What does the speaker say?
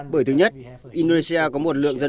bởi thứ nhất indonesia có một lợi thế rất nhanh